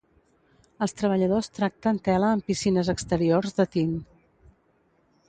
Els treballadors tracten tela en piscines exteriors de tint.